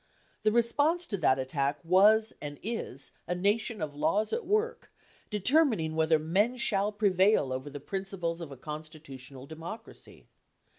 The response to that attack was and is a Nation of laws at work, determining whether men shall prevail over the principles of a con stitutional democracy.